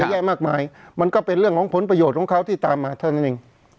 แยะมากมายมันก็เป็นเรื่องของผลประโยชน์ของเขาที่ตามมาเท่านั้นเอง